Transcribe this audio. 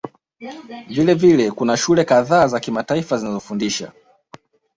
Vilevile kuna shule kadhaa za kimataifa zinazofundisha